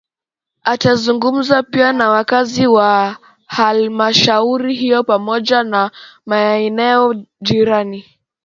Atazungumza pia na wakazi wa Halmashauri hiyo pamoja na maeneo jirani